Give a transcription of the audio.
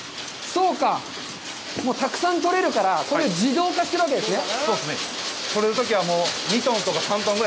そうか、たくさん取れるから、これ、自動化してるわけですね？